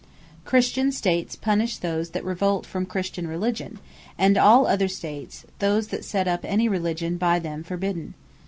Christian States punish those that revolt from Christian Religion, and all other States, those that set up any Religion by them forbidden.